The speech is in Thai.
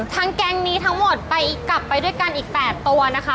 แก๊งนี้ทั้งหมดไปกลับไปด้วยกันอีก๘ตัวนะคะ